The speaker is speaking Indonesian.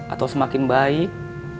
atau semakin baik